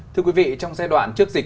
thưa quý vị trong giai đoạn trước dịch